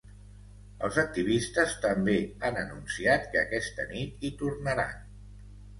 Els activistes també han anunciat que aquesta nit hi tornaran.